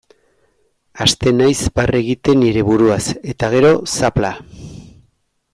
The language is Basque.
Hasten naiz barre egiten nire buruaz, eta gero, zapla.